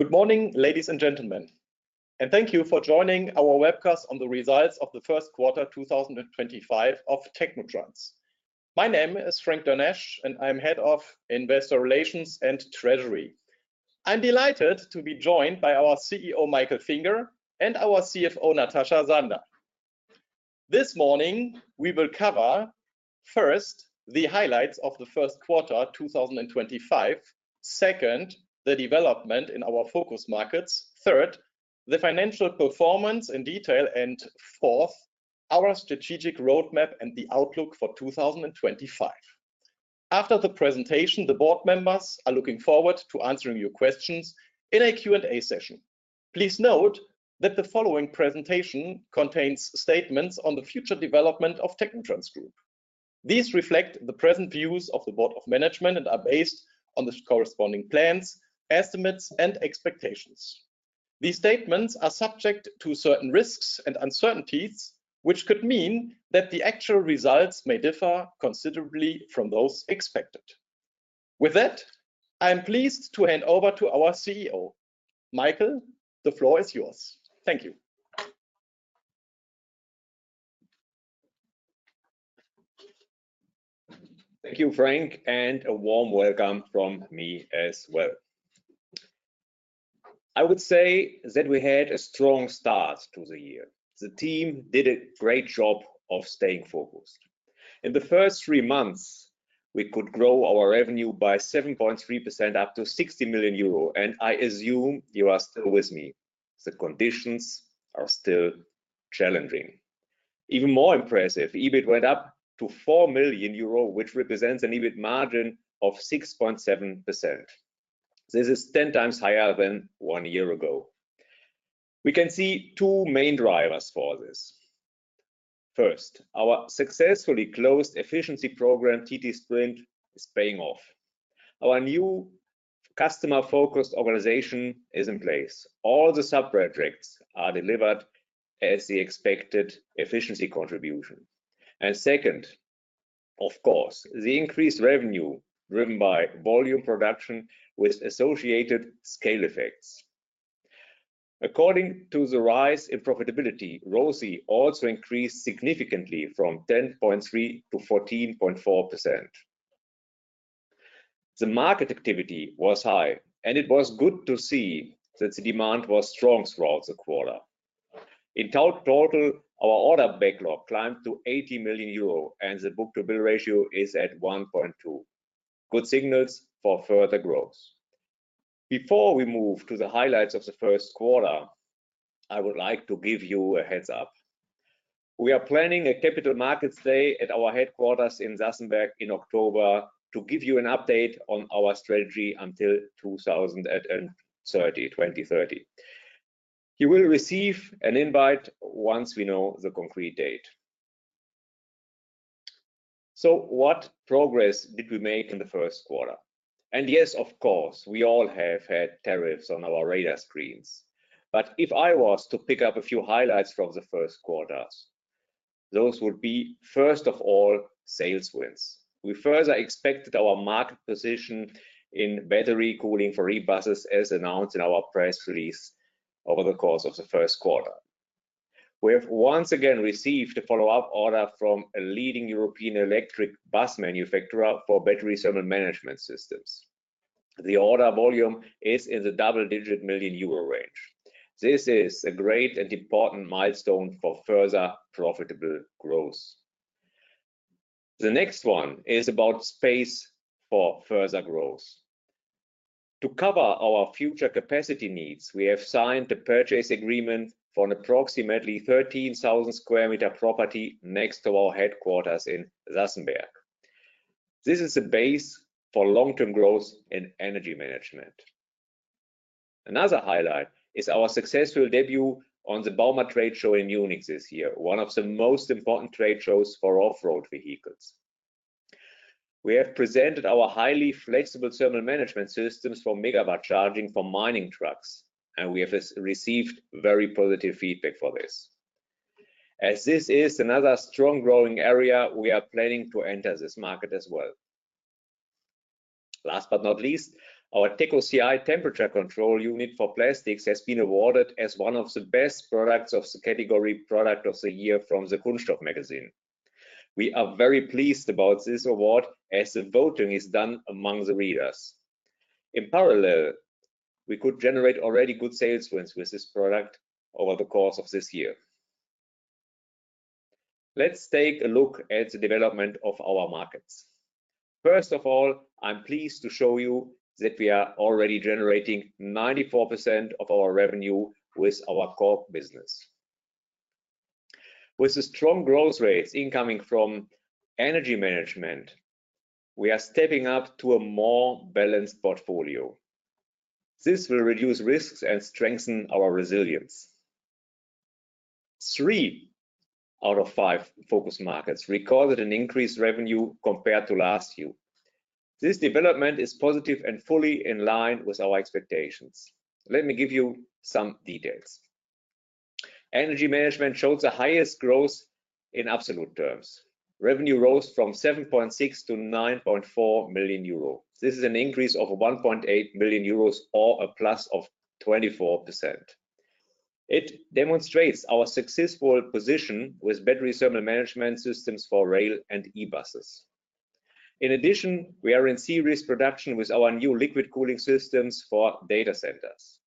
Good morning, ladies and gentlemen, and thank you for joining our webcast on the results of the first quarter 2025 of technotrans. My name is Frank Dernesch, and I'm Head of Investor Relations and Treasury. I'm delighted to be joined by our CEO, Michael Finger, and our CFO, Natascha Sander. This morning, we will cover first the highlights of the first quarter 2025, second, the development in our focus markets, third, the financial performance in detail, and fourth, our strategic roadmap and the outlook for 2025. After the presentation, the board members are looking forward to answering your questions in a Q&A session. Please note that the following presentation contains statements on the future development of technotrans Group. These reflect the present views of the Board of Management and are based on the corresponding plans, estimates, and expectations. These statements are subject to certain risks and uncertainties, which could mean that the actual results may differ considerably from those expected. With that, I'm pleased to hand over to our CEO. Michael, the floor is yours. Thank you. Thank you, Frank, and a warm welcome from me as well. I would say that we had a strong start to the year. The team did a great job of staying focused. In the first three months, we could grow our revenue by 7.3% up to 60 million euro, and I assume you are still with me. The conditions are still challenging. Even more impressive, EBIT went up to 4 million euro, which represents an EBIT margin of 6.7%. This is 10x higher than one year ago. We can see two main drivers for this. First, our successfully closed efficiency program, TT Sprint, is paying off. Our new customer-focused organization is in place. All the subprojects are delivered as the expected efficiency contribution. Second, of course, the increased revenue driven by volume production with associated scale effects. According to the rise in profitability, ROSI also increased significantly from 10.3% to 14.4%. The market activity was high, and it was good to see that the demand was strong throughout the quarter. In total, our order backlog climbed to 80 million euro, and the book-to-bill ratio is at 1.2. Good signals for further growth. Before we move to the highlights of the first quarter, I would like to give you a heads-up. We are planning a capital markets day at our headquarters in Sassenberg in October to give you an update on our strategy until 2030. You will receive an invite once we know the concrete date. What progress did we make in the first quarter? Yes, of course, we all have had tariffs on our radar screens. If I was to pick up a few highlights from the first quarter, those would be, first of all, sales wins. We further expanded our market position in battery cooling for e-buses, as announced in our press release over the course of the first quarter. We have once again received a follow-up order from a leading European electric bus manufacturer for Battery Thermal Management Systems. The order volume is in the double-digit million Euro range. This is a great and important milestone for further profitable growth. The next one is about space for further growth. To cover our future capacity needs, we have signed a purchase agreement for an approximately 13,000 sq m property next to our headquarters in Sassenberg. This is a base for long-term growth in energy management. Another highlight is our successful debut on the Bauma trade show in Munich this year, one of the most important trade shows for off-road vehicles. We have presented our highly flexible Thermal Management Systems for megawatt charging for mining trucks, and we have received very positive feedback for this. As this is another strong growing area, we are planning to enter this market as well. Last but not least, our TECOCI temperature control unit for plastics has been awarded as one of the best products of the category Product of the Year from the Kunststoff Magazin. We are very pleased about this award as the voting is done among the readers. In parallel, we could generate already good sales wins with this product over the course of this year. Let's take a look at the development of our markets. First of all, I'm pleased to show you that we are already generating 94% of our revenue with our core business. With the strong growth rates incoming from energy management, we are stepping up to a more balanced portfolio. This will reduce risks and strengthen our resilience. Three out of five focus markets recorded an increased revenue compared to last year. This development is positive and fully in line with our expectations. Let me give you some details. Energy management showed the highest growth in absolute terms. Revenue rose from 7.6 million to 9.4 million euro. This is an increase of 1.8 million euros or a plus of 24%. It demonstrates our successful position with Battery Thermal Management Systems for rail and e-buses. In addition, we are in series production with our new Liquid Cooling Systems for data centers.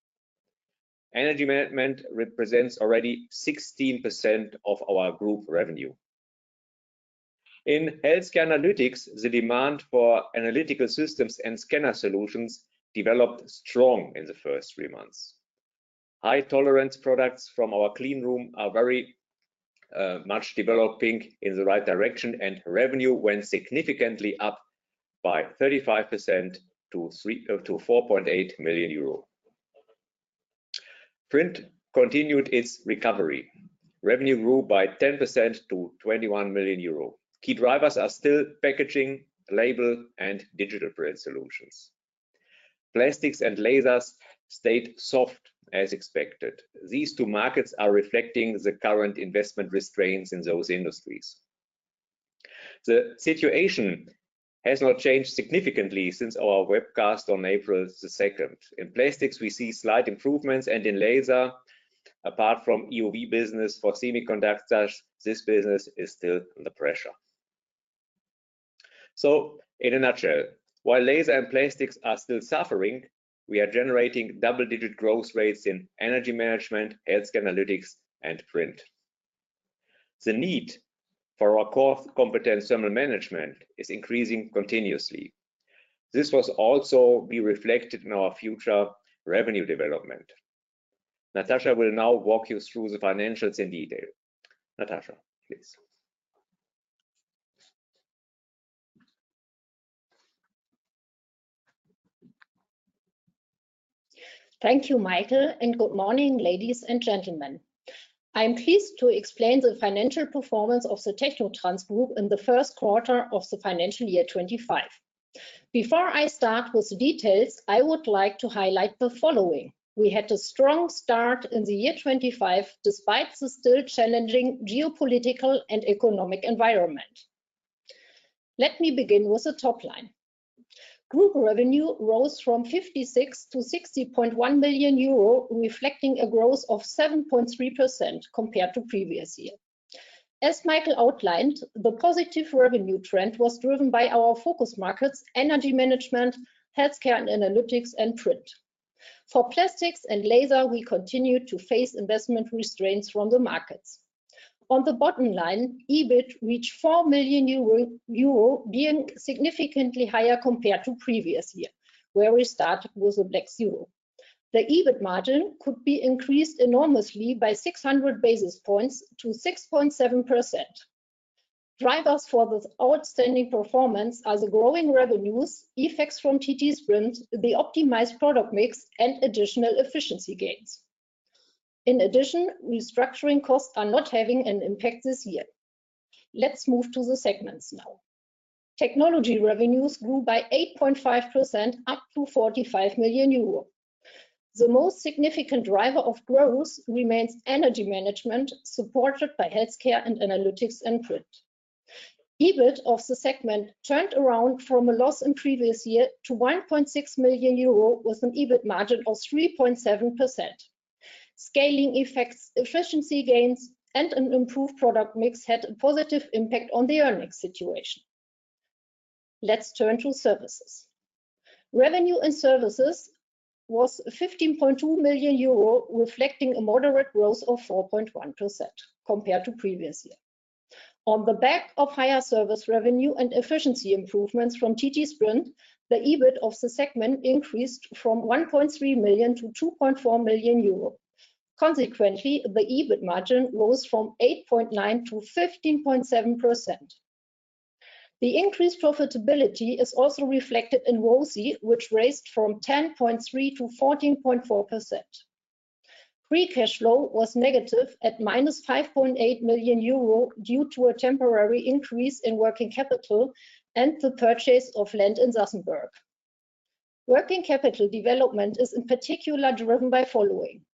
Energy management represents already 16% of our group revenue. In healthcare analytics, the demand for analytical systems and scanner solutions developed strong in the first three months. High tolerance products from our clean room are very much developing in the right direction, and revenue went significantly up by 35% to 4.8 million euro. Print continued its recovery. Revenue grew by 10% to 21 million euro. Key drivers are still packaging, label, and digital print solutions. Plastics and lasers stayed soft as expected. These two markets are reflecting the current investment restraints in those industries. The situation has not changed significantly since our webcast on April 2nd. In plastics, we see slight improvements, and in laser, apart from EUV business for semiconductors, this business is still under pressure. In a nutshell, while laser and plastics are still suffering, we are generating double-digit growth rates in energy management, healthcare analytics, and print. The need for our core competence thermal management is increasing continuously. This will also be reflected in our future revenue development. Natascha will now walk you through the financials in detail. Natascha, please. Thank you, Michael, and good morning, ladies and gentlemen. I'm pleased to explain the financial performance of the technotrans Group in the first quarter of the financial year 2025. Before I start with the details, I would like to highlight the following. We had a strong start in the year 2025 despite the still challenging geopolitical and economic environment. Let me begin with a top line. Group revenue rose from 56 million to 60.1 million euro, reflecting a growth of 7.3% compared to previous year. As Michael outlined, the positive revenue trend was driven by our focus markets, energy management, healthcare and analytics, and print. For plastics and laser, we continue to face investment restraints from the markets. On the bottom line, EBIT reached 4 million euro, being significantly higher compared to previous year, where we started with a breakthrough. The EBIT margin could be increased enormously by 600 basis points to 6.7%. Drivers for the outstanding performance are the growing revenues, effects from TT Sprint, the optimized product mix, and additional efficiency gains. In addition, restructuring costs are not having an impact this year. Let's move to the segments now. Technology revenues grew by 8.5% up to 45 million euro. The most significant driver of growth remains energy management, supported by healthcare and analytics and print. EBIT of the segment turned around from a loss in previous year to 1.6 million euro with an EBIT margin of 3.7%. Scaling effects, efficiency gains, and an improved product mix had a positive impact on the earnings situation. Let's turn to services. Revenue in services was 15.2 million euro, reflecting a moderate growth of 4.1% compared to previous year. On the back of higher service revenue and efficiency improvements from TT Sprint, the EBIT of the segment increased from 1.3 million to 2.4 million euro. Consequently, the EBIT margin rose from 8.9% to 15.7%. The increased profitability is also reflected in ROSI, which raised from 10.3% to 14.4%. Pre-cash flow was negative at minus 5.8 million euro due to a temporary increase in working capital and the purchase of land in Sassenberg. Working capital development is in particular driven by the following.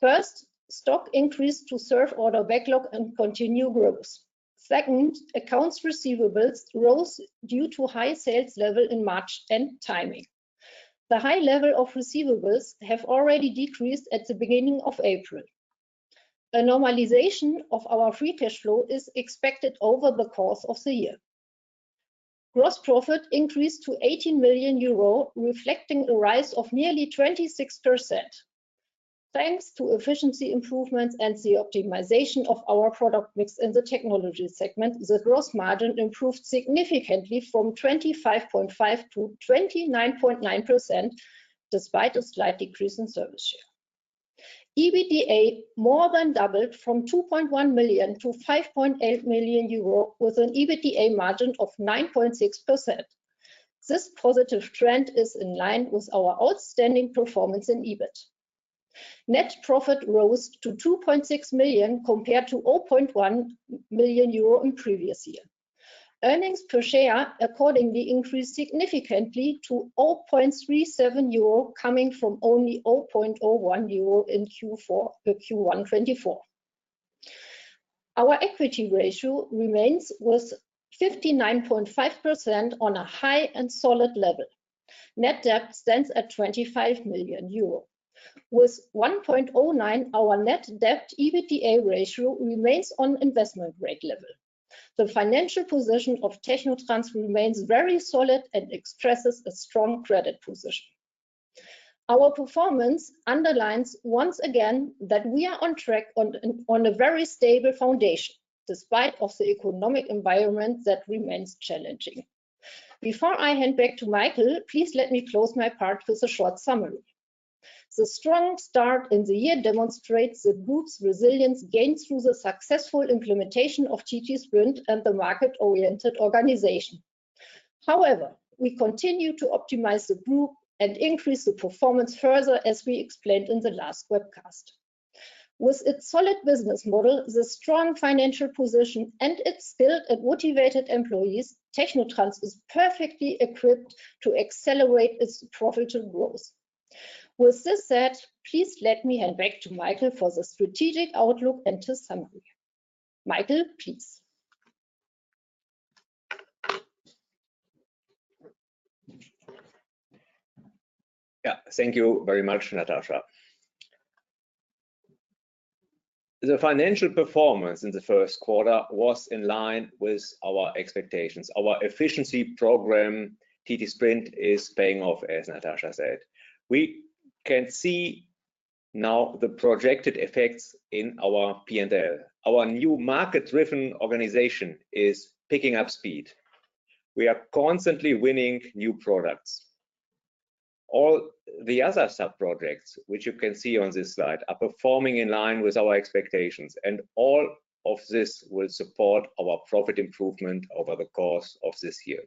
First, stock increased to serve order backlog and continue growth. Second, accounts receivables rose due to high sales level in March and timing. The high level of receivables has already decreased at the beginning of April. Normalization of our free cash flow is expected over the course of the year. Gross profit increased to 18 million euro, reflecting a rise of nearly 26%. Thanks to efficiency improvements and the optimization of our product mix in the technology segment, the gross margin improved significantly from 25.5% to 29.9% despite a slight decrease in service share. EBITDA more than doubled from 2.1 million to 5.8 million euro with an EBITDA margin of 9.6%. This positive trend is in line with our outstanding performance in EBIT. Net profit rose to 2.6 million compared to 0.1 million euro in the previous year. Earnings per share accordingly increased significantly to 0.37 euro coming from only 0.01 euro in Q1 2024. Our equity ratio remains with 59.5% on a high and solid level. Net debt stands at 25 million euro. With 1.09, our net debt EBITDA ratio remains on investment grade level. The financial position of technotrans remains very solid and expresses a strong credit position. Our performance underlines once again that we are on track on a very stable foundation despite the economic environment that remains challenging. Before I hand back to Michael, please let me close my part with a short summary. The strong start in the year demonstrates the group's resilience gained through the successful implementation of TT Sprint and the market-oriented organization. However, we continue to optimize the group and increase the performance further as we explained in the last webcast. With its solid business model, the strong financial position, and its skilled and motivated employees, technotrans is perfectly equipped to accelerate its profitable growth. With this said, please let me hand back to Michael for the strategic outlook and his summary. Michael, please. Yeah, thank you very much, Natascha. The financial performance in the first quarter was in line with our expectations. Our efficiency program, TT Sprint, is paying off, as Natascha said. We can see now the projected effects in our P&L. Our new market-driven organization is picking up speed. We are constantly winning new products. All the other sub-projects, which you can see on this slide, are performing in line with our expectations, and all of this will support our profit improvement over the course of this year.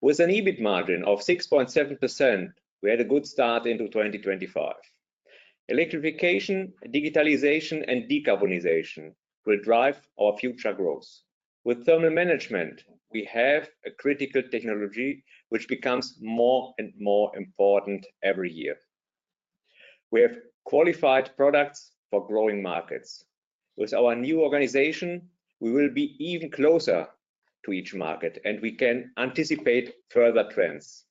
With an EBIT margin of 6.7%, we had a good start into 2025. Electrification, digitalization, and decarbonization will drive our future growth. With thermal management, we have a critical technology which becomes more and more important every year. We have qualified products for growing markets. With our new organization, we will be even closer to each market, and we can anticipate further trends.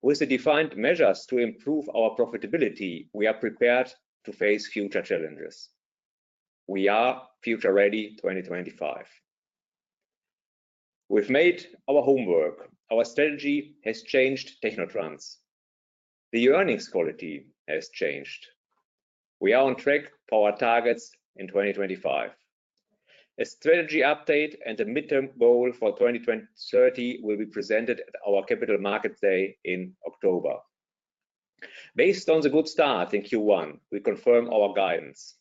With the defined measures to improve our profitability, we are prepared to face future challenges. We are future-ready 2025. We have made our homework. Our strategy has changed technotrans. The earnings quality has changed. We are on track to our targets in 2025. A strategy update and a midterm goal for 2030 will be presented at our Capital Markets Day in October. Based on the good start in Q1, we confirm our guidance.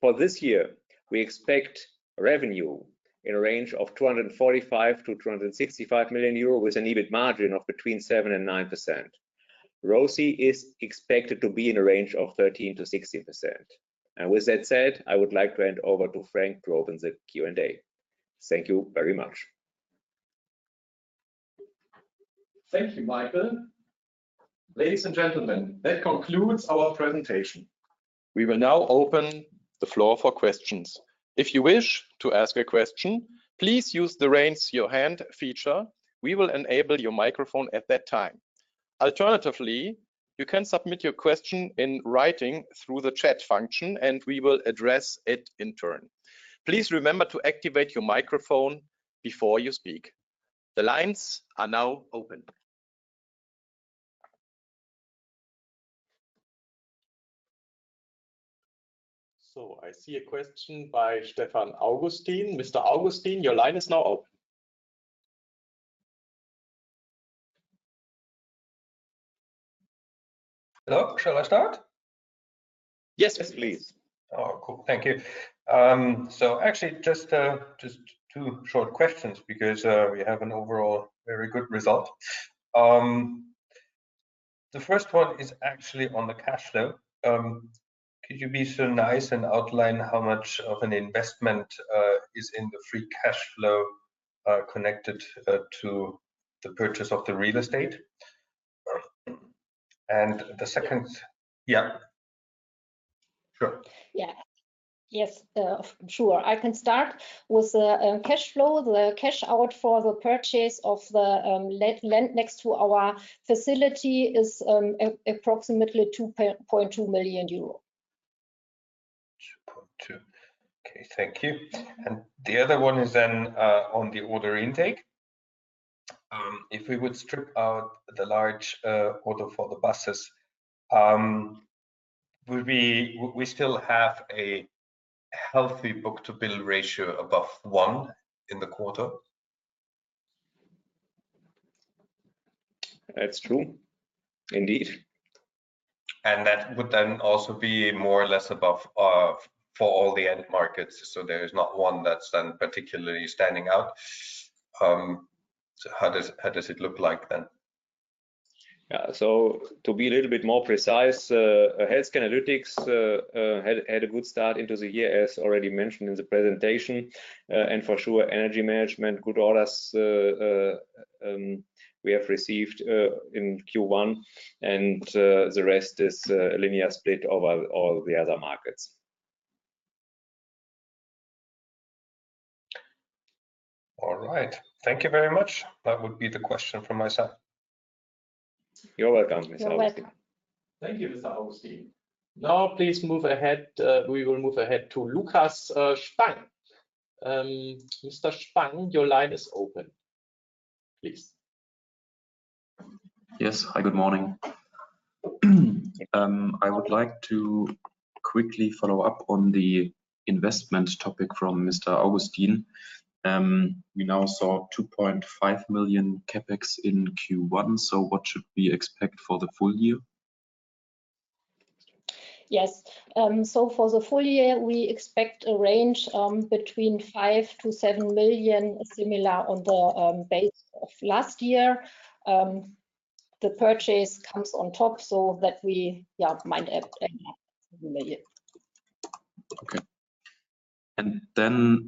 For this year, we expect revenue in a range of 245 million-265 million euro with an EBIT margin of between 7%-9%. ROSI is expected to be in a range of 13%-16%. With that said, I would like to hand over to Frank Dernesch, the Q&A. Thank you very much. Thank you, Michael. Ladies and gentlemen, that concludes our presentation. We will now open the floor for questions. If you wish to ask a question, please use the "Raise Your Hand" feature. We will enable your microphone at that time. Alternatively, you can submit your question in writing through the chat function, and we will address it in turn. Please remember to activate your microphone before you speak. The lines are now open. I see a question by Stefan Augustin. Mr. Augustin, your line is now open. Hello, shall I start? Yes, please. Oh, cool. Thank you. Actually, just two short questions because we have an overall very good result. The first one is actually on the cash flow. Could you be so nice and outline how much of an investment is in the free cash flow connected to the purchase of the real estate? The second, yeah, sure. Yeah. Yes, sure. I can start with the cash flow. The cash out for the purchase of the land next to our facility is approximately 2.2 million euro. Okay, thank you. The other one is then on the order intake. If we would strip out the large order for the buses, would we still have a healthy book-to-bill ratio above one in the quarter? That's true. Indeed. That would then also be more or less above for all the end markets, so there is not one that's then particularly standing out. How does it look like then? Yeah, to be a little bit more precise, healthcare analytics had a good start into the year, as already mentioned in the presentation. For sure, energy management, good orders we have received in Q1, and the rest is a linear split over all the other markets. All right. Thank you very much. That would be the question from my side. You're welcome, Mr. Augustin. Thank you, Mr. Augustin. Now, please move ahead. We will move ahead to Lukas Spang. Mr. Spang, your line is open. Please. Yes, hi, good morning. I would like to quickly follow up on the investment topic from Mr. Augustin. We now saw 2.5 million CapEx in Q1, so what should we expect for the full year? Yes. For the full year, we expect a range between 5 million-7 million, similar on the base of last year. The purchase comes on top, so that we might add EUR 7 million. Okay.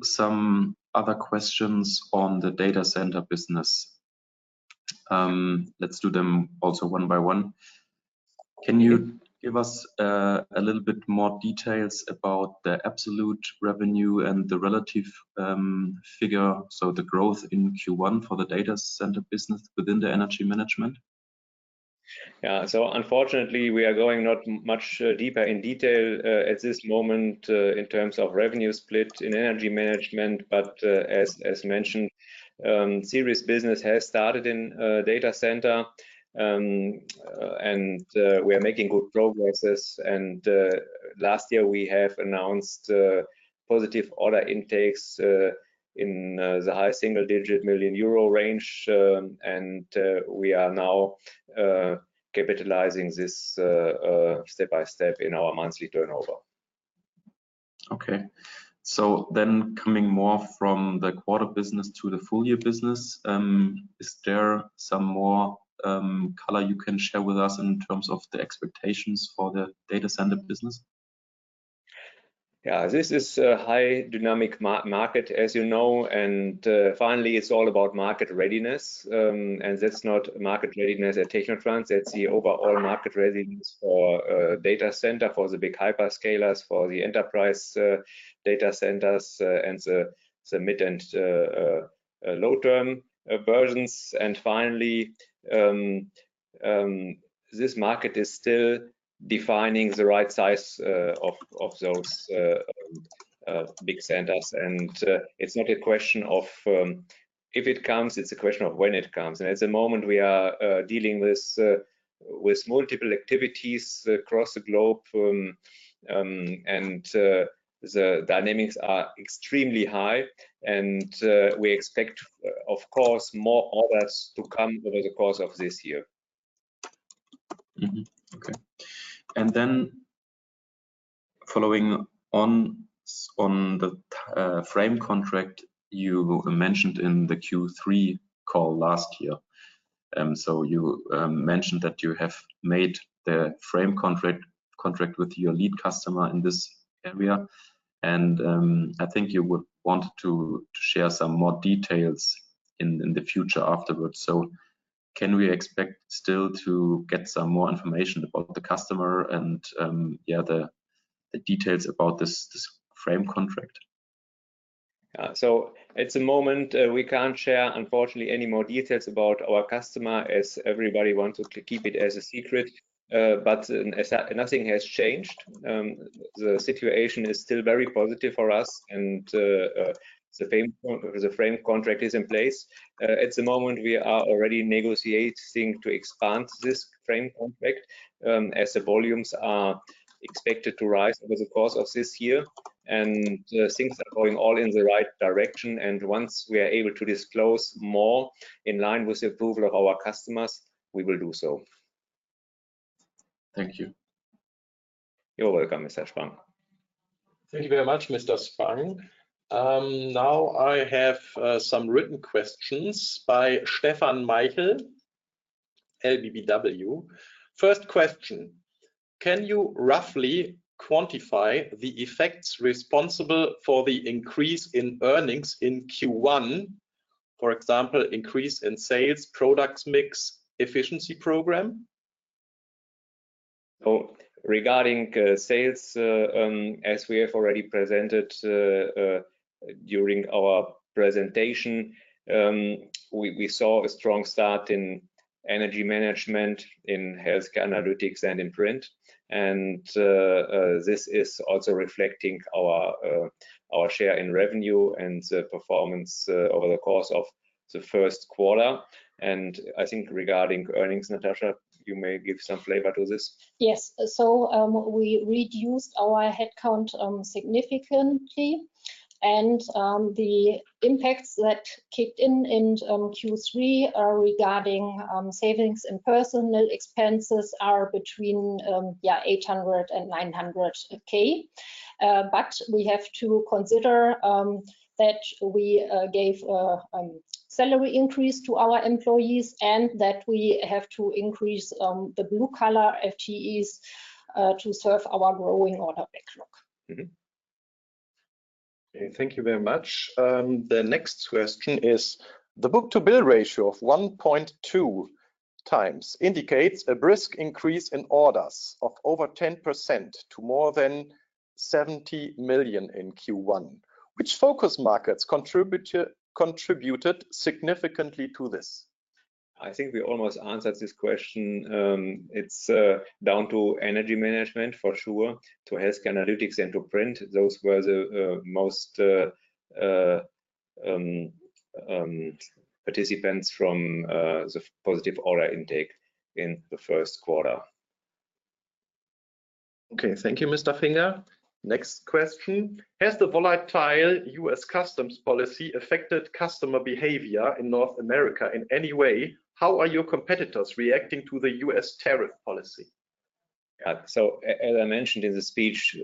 Some other questions on the data center business. Let's do them also one by one. Can you give us a little bit more details about the absolute revenue and the relative figure, so the growth in Q1 for the data center business within the energy management? Yeah, so unfortunately, we are going not much deeper in detail at this moment in terms of revenue split in energy management, but as mentioned, serious business has started in data center, and we are making good progress. Last year, we have announced positive order intakes in the high single-digit million EUR range, and we are now capitalizing this step by step in our monthly turnover. Okay. So then coming more from the quarter business to the full year business, is there some more color you can share with us in terms of the expectations for the data center business? Yeah, this is a high dynamic market, as you know, and finally, it's all about market readiness. That's not market readiness at technotrans. That's the overall market readiness for data center, for the big hyperscalers, for the enterprise data centers, and the mid and low-term versions. Finally, this market is still defining the right size of those big centers, and it's not a question of if it comes. It's a question of when it comes. At the moment, we are dealing with multiple activities across the globe, and the dynamics are extremely high, and we expect, of course, more orders to come over the course of this year. Okay. Following on the frame contract, you mentioned in the Q3 call last year. You mentioned that you have made the frame contract with your lead customer in this area, and I think you would want to share some more details in the future afterwards. Can we expect still to get some more information about the customer and the details about this frame contract? At the moment, we can't share, unfortunately, any more details about our customer as everybody wants to keep it as a secret, but nothing has changed. The situation is still very positive for us, and the frame contract is in place. At the moment, we are already negotiating to expand this frame contract as the volumes are expected to rise over the course of this year, and things are going all in the right direction. Once we are able to disclose more in line with the approval of our customers, we will do so. Thank you. You're welcome, Mr. Spang. Thank you very much, Mr. Spang. Now, I have some written questions by Stefan Michael, LBBW. First question: Can you roughly quantify the effects responsible for the increase in earnings in Q1, for example, increase in sales, products mix, efficiency program? Regarding sales, as we have already presented during our presentation, we saw a strong start in energy management, in healthcare analytics, and in print. This is also reflecting our share in revenue and performance over the course of the first quarter. I think regarding earnings, Natascha, you may give some flavor to this. Yes. We reduced our headcount significantly, and the impacts that kicked in in Q3 regarding savings in personnel expenses are between 800,000 and 900,000. We have to consider that we gave a salary increase to our employees and that we have to increase the blue-collar FTEs to serve our growing order backlog. Okay, thank you very much. The next question is: The book-to-bill ratio of 1.2x indicates a brisk increase in orders of over 10% to more than 70 million in Q1. Which focus markets contributed significantly to this? I think we almost answered this question. It's down to energy management, for sure, to healthcare analytics and to print. Those were the most participants from the positive order intake in the first quarter. Okay, thank you, Mr. Finger. Next question: Has the volatile U.S. Customs policy affected customer behavior in North America in any way? How are your competitors reacting to the U.S. Tariff Policy? Yeah, as I mentioned in the speech,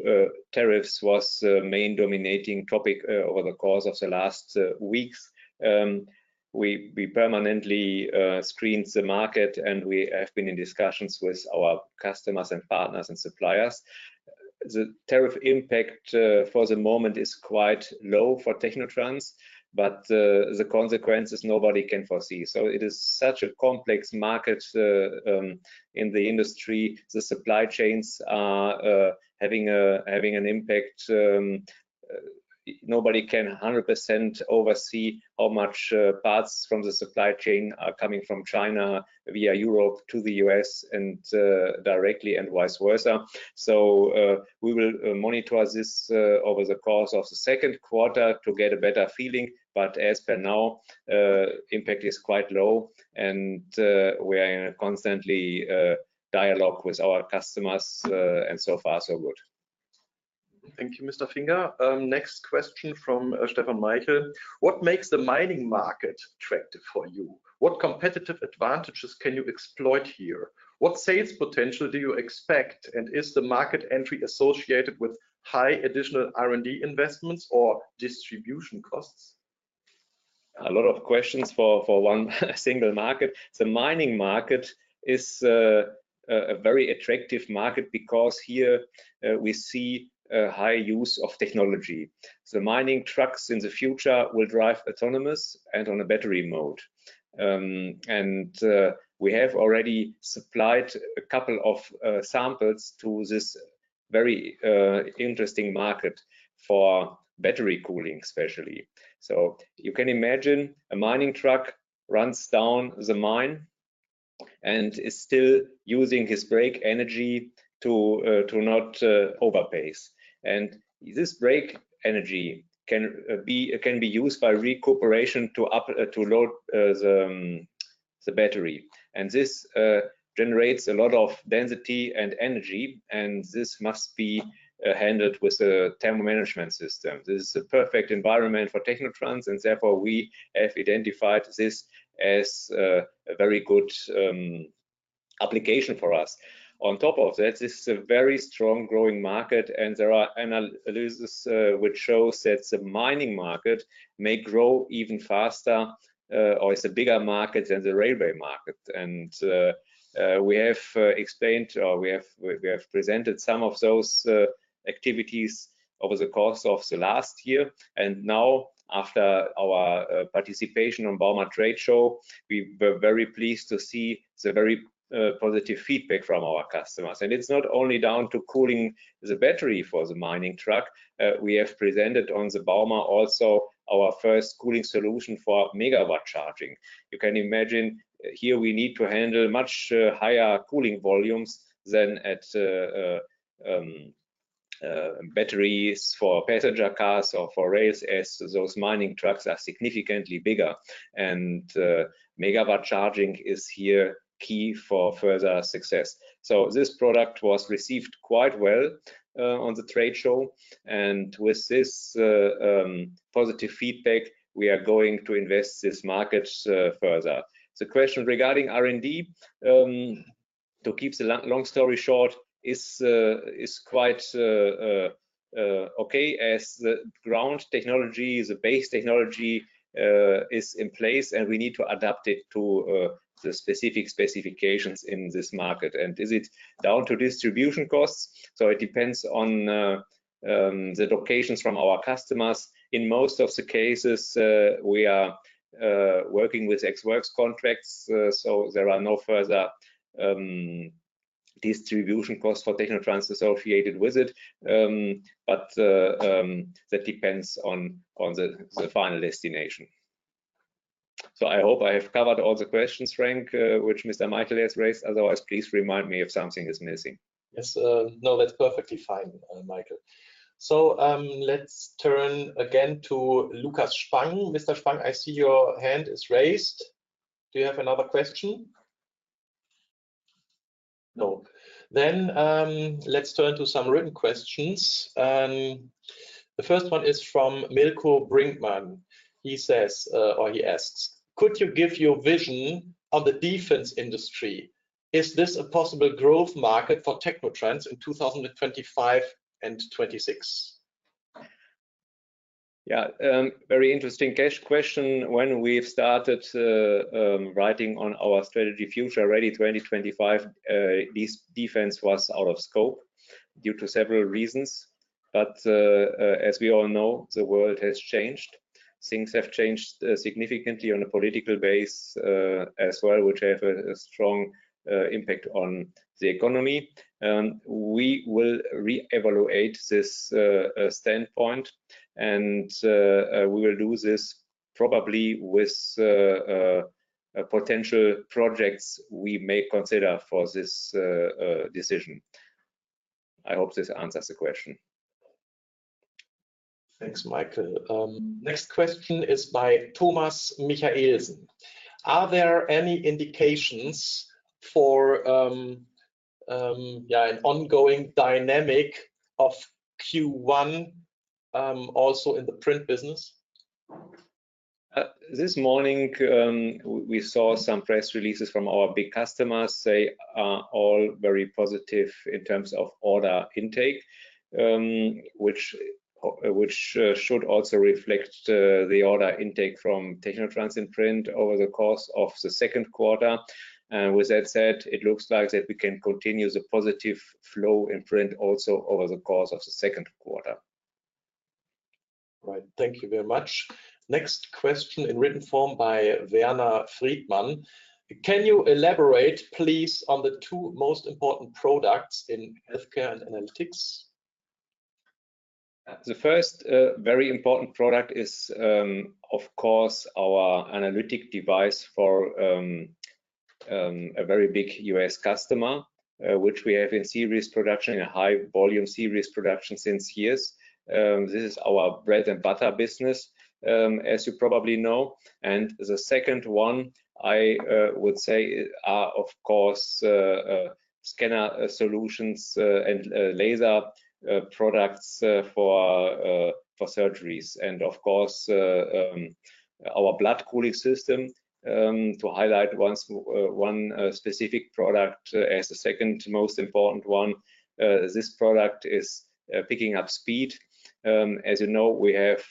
tariffs was the main dominating topic over the course of the last weeks. We permanently screened the market, and we have been in discussions with our customers and partners and suppliers. The tariff impact for the moment is quite low for technotrans, but the consequences nobody can foresee. It is such a complex market in the industry. The supply chains are having an impact. Nobody can 100% oversee how much parts from the supply chain are coming from China via Europe to the U.S. and directly and vice versa. We will monitor this over the course of the second quarter to get a better feeling, but as per now, impact is quite low, and we are in a constant dialogue with our customers, and so far, so good. Thank you, Mr. Finger. Next question from Stefan Michael. What makes the mining market attractive for you? What competitive advantages can you exploit here? What sales potential do you expect, and is the market entry associated with high additional R&D investments or distribution costs? A lot of questions for one single market. The mining market is a very attractive market because here we see high use of technology. The mining trucks in the future will drive autonomous and on a battery mode. We have already supplied a couple of samples to this very interesting market for battery cooling, especially. You can imagine a mining truck runs down the mine and is still using his brake energy to not overpace. This brake energy can be used by recooperation to load the battery. This generates a lot of density and energy, and this must be handled with a Thermal Management System. This is a perfect environment for technotrans, and therefore we have identified this as a very good application for us. On top of that, this is a very strong growing market, and there are analyses which show that the mining market may grow even faster or is a bigger market than the railway market. We have explained or we have presented some of those activities over the course of the last year. Now, after our participation at the Bauma trade show, we were very pleased to see the very positive feedback from our customers. It is not only down to cooling the battery for the mining truck. We have presented at Bauma also our first cooling solution for megawatt charging. You can imagine here we need to handle much higher cooling volumes than at batteries for passenger cars or for rails, as those mining trucks are significantly bigger. Megawatt charging is here key for further success. This product was received quite well at the trade show, and with this positive feedback, we are going to invest in this market further. The question regarding R&D, to keep the long story short, is quite okay as the ground technology, the base technology, is in place, and we need to adapt it to the specific specifications in this market. Is it down to distribution costs? It depends on the locations of our customers. In most cases, we are working with Ex Works contracts, so there are no further distribution costs for technotrans associated with it, but that depends on the final destination. I hope I have covered all the questions, Frank, which Mr. Michael has raised. Otherwise, please remind me if something is missing. Yes. No, that's perfectly fine, Michael. Let's turn again to Lukas Spang. Mr. Spang, I see your hand is raised. Do you have another question? No. Let's turn to some written questions. The first one is from Milko Brinkman. He says or he asks, "Could you give your vision on the defense industry? Is this a possible growth market for technotrans in 2025 and 2026? Yeah, very interesting question. When we've started writing on our strategy Future Ready 2025, defense was out of scope due to several reasons. As we all know, the world has changed. Things have changed significantly on a political base as well, which have a strong impact on the economy. We will re-evaluate this standpoint, and we will do this probably with potential projects we may consider for this decision. I hope this answers the question. Thanks, Michael. Next question is by Thomas Michaelsen. Are there any indications for an ongoing dynamic of Q1 also in the print business? This morning, we saw some press releases from our big customers. They are all very positive in terms of order intake, which should also reflect the order intake from technotrans in print over the course of the second quarter. With that said, it looks like we can continue the positive flow in print also over the course of the second quarter. Right. Thank you very much. Next question in written form by Werner Friedman. Can you elaborate, please, on the two most important products in healthcare and analytics? The first very important product is, of course, our analytic device for a very big U.S. customer, which we have in series production in a high-volume series production since years. This is our bread and butter business, as you probably know. The second one I would say are, of course, scanner solutions and laser products for surgeries. Of course, our Blood Cooling System. To highlight one specific product as the second most important one, this product is picking up speed. As you know, we have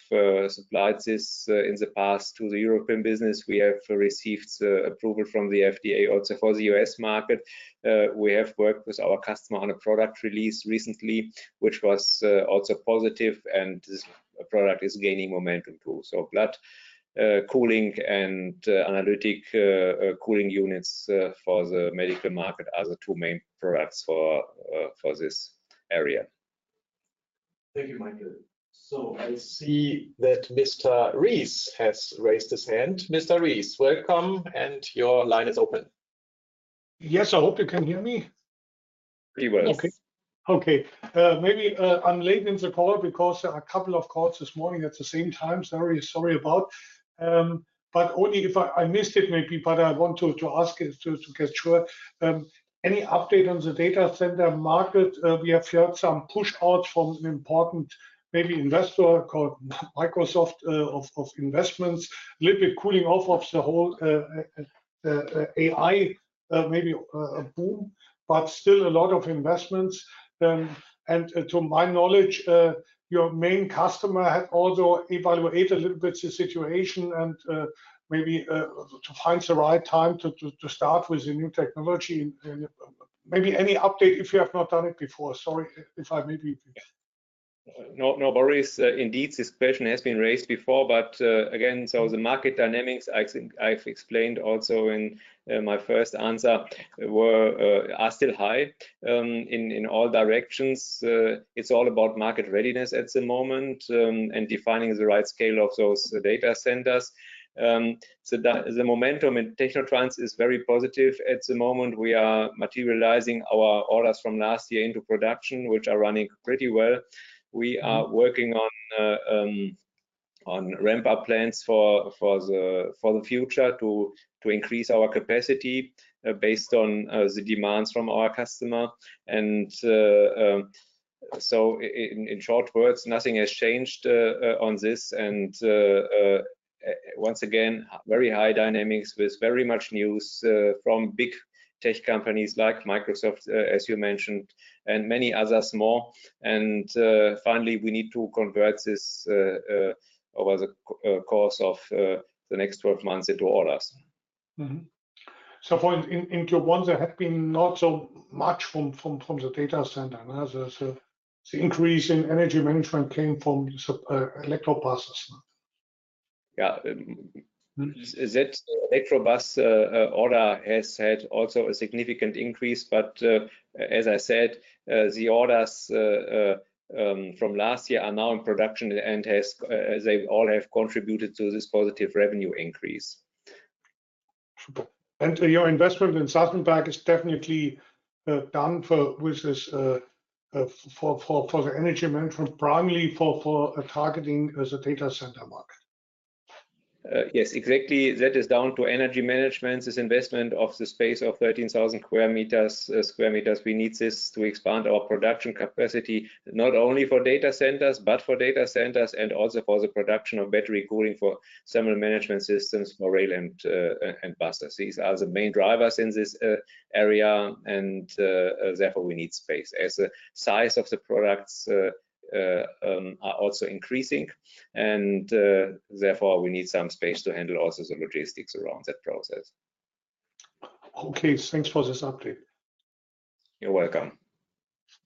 supplied this in the past to the European business. We have received approval from the FDA also for the U.S. market. We have worked with our customer on a product release recently, which was also positive, and this product is gaining momentum too. Blood cooling and analytic cooling units for the medical market are the two main products for this area. Thank you, Michael. I see that Mr. Rees has raised his hand. Mr. Rees, welcome, and your line is open. Yes, I hope you can hear me. Pretty well. Okay. Maybe I'm late in the call because there are a couple of calls this morning at the same time. Sorry about that. Only if I missed it maybe, but I want to ask to get sure. Any update on the data center market? We have heard some push out from an important maybe investor called Microsoft of investments, a little bit cooling off of the whole AI maybe boom, but still a lot of investments. To my knowledge, your main customer had also evaluated a little bit the situation and maybe to find the right time to start with the new technology. Maybe any update if you have not done it before. Sorry if I maybe. No worries. Indeed, this question has been raised before, but again, the market dynamics, I think I've explained also in my first answer, are still high in all directions. It's all about market readiness at the moment and defining the right scale of those data centers. The momentum in technotrans is very positive at the moment. We are materializing our orders from last year into production, which are running pretty well. We are working on ramp-up plans for the future to increase our capacity based on the demands from our customer. In short words, nothing has changed on this. Once again, very high dynamics with very much news from big tech companies like Microsoft, as you mentioned, and many others more. Finally, we need to convert this over the course of the next 12 months into orders. For in Q1, there had been not so much from the data center. The increase in energy management came from the ElectroBus. Yeah. That ElectroBus order has had also a significant increase, but as I said, the orders from last year are now in production, and they all have contributed to this positive revenue increase. Your investment in Southern Bank is definitely done with this for the energy management, primarily for targeting the data center market. Yes, exactly. That is down to energy management, this investment of the space of 13,000 sq m. We need this to expand our production capacity, not only for data centers, but for data centers and also for the production of battery cooling for Thermal Management Systems for rail and buses. These are the main drivers in this area, and therefore we need space as the size of the products are also increasing. Therefore, we need some space to handle also the logistics around that process. Okay. Thanks for this update. You're welcome.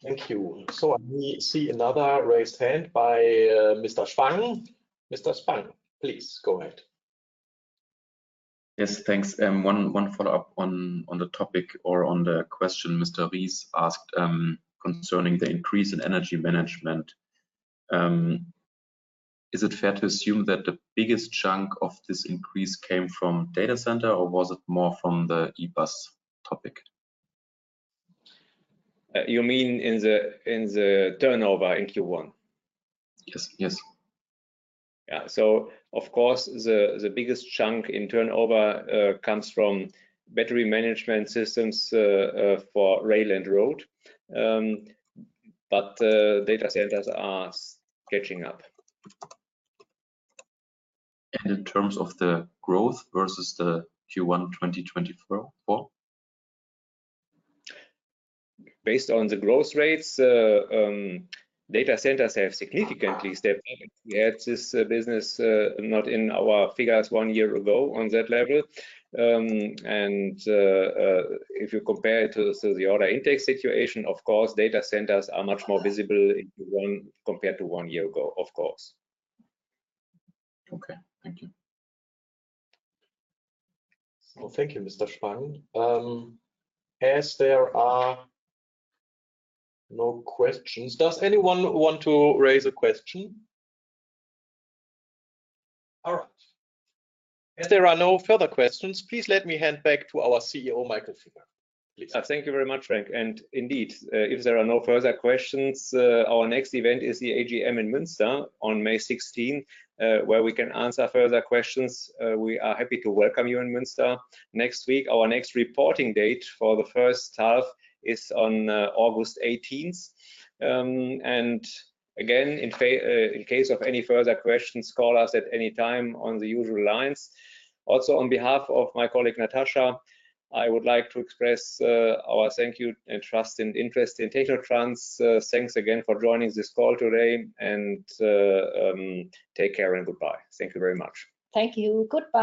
Thank you. So we see another raised hand by Mr. Spang. Mr. Spang, please go ahead. Yes, thanks. One follow-up on the topic or on the question Mr. Rees asked concerning the increase in energy management. Is it fair to assume that the biggest chunk of this increase came from data center, or was it more from the E-bus topic? You mean in the turnover in Q1? Yes. Of course, the biggest chunk in turnover comes from Battery Management Systems for rail and road, but data centers are catching up. In terms of the growth versus the Q1 2024? Based on the growth rates, data centers have significantly stepped up. We had this business not in our figures one year ago on that level. If you compare it to the order intake situation, of course, data centers are much more visible compared to one year ago, of course. Thank you, Mr. Spang. As there are no questions, does anyone want to raise a question? All right. If there are no further questions, please let me hand back to our CEO, Michael Finger. Thank you very much, Frank. Indeed, if there are no further questions, our next event is the AGM in Münster on May 16th, where we can answer further questions. We are happy to welcome you in Münster. Next week, our next reporting date for the first half is on August 18th. Again, in case of any further questions, call us at any time on the usual lines. Also, on behalf of my colleague Natascha, I would like to express our thank you and trust and interest in technotrans. Thanks again for joining this call today, and take care and goodbye. Thank you very much. Thank you. Goodbye.